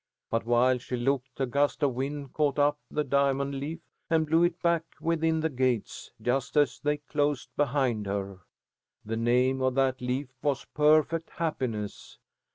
But while she looked, a gust of wind caught up the diamond leaf and blew it back within the gates, just as they closed behind her. The name of that leaf was Perfect Happiness.